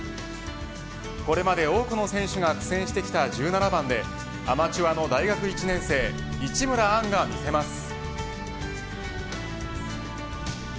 これまで多くの選手が苦戦してきた１７番でアマチュアの大学１年生市村杏が見せます。